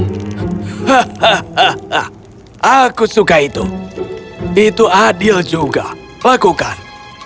hahaha aku suka itu itu adil juga lakukan